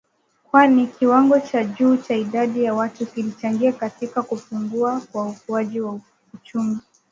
Kwani kiwango cha juu cha idadi ya watu kilichangia katika kupungua kwa ukuaji wa uchumi.